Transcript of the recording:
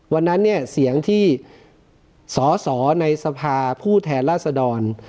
วันนั้นเนี่ยเสียงที่สอสอในสภาผู้แทนราษดร